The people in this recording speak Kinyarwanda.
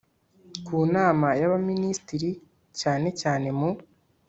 ku nama y Abaminisitiri cyane cyane mu